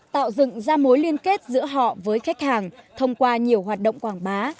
tạo dựng ra mối liên kết giữa họ với khách hàng thông qua nhiều hoạt động quảng bá